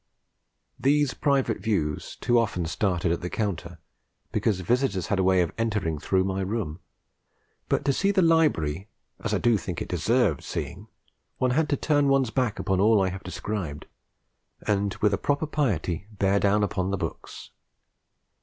These private views too often started at the counter, because visitors had a way of entering through my room; but to see the library as I do think it deserved seeing, one had to turn one's back upon all I have described, and with a proper piety bear down upon the books.